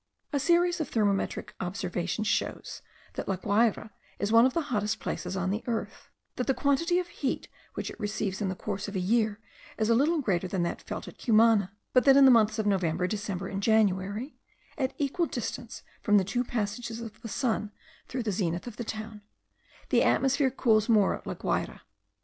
A series of thermometric observations shows, that La Guayra is one of the hottest places on the earth; that the quantity of heat which it receives in the course of a year is a little greater than that felt at Cumana; but that in the months of November, December, and January (at equal distance from the two passages of the sun through the zenith of the town), the atmosphere cools more at La Guayra.